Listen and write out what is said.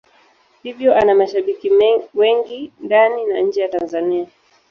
Hivyo ana mashabiki wengi ndani na nje ya Tanzania.